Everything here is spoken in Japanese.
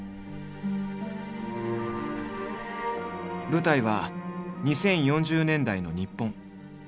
舞台は２０４０年代の日本。